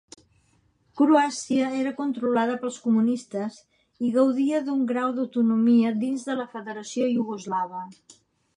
Croàcia era controlada pels comunistes i gaudia d'un grau d'autonomia dins de la federació iugoslava.